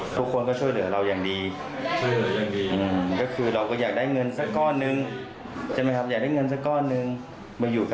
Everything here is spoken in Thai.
เพื่อที่จะให้เลี้ยงเลี้ยงดูแก่จนหมดลงใจจังหวะ